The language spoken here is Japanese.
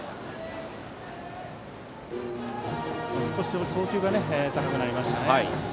少し送球が高くなりましたね。